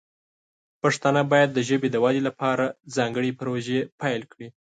پښتانه باید د ژبې د ودې لپاره ځانګړې پروژې پیل کړي.